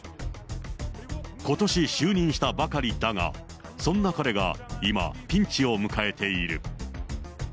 ことし就任したばかりだが、そんな彼が今、ピンチを迎えている。